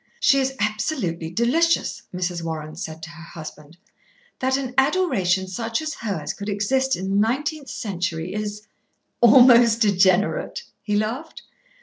"She is absolutely delicious," Mrs. Warren said to her husband. "That an adoration such as hers could exist in the nineteenth century is " "Almost degenerate," he laughed.